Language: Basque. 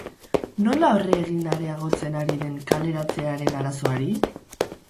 Nola aurre egin areagotzen ari den kaleratzearen arazoari?